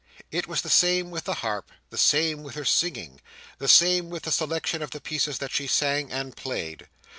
It was the same with the harp; the same with her singing; the same with the selection of the pieces that she sang and played.